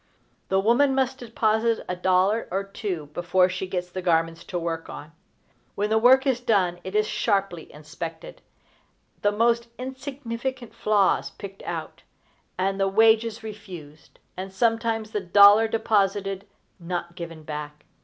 The woman must deposit a dollar or two before she gets the garments to work on. When the work is done it is sharply inspected, the most insignificant flaws picked out, and the wages refused, and sometimes the dollar deposited not given back.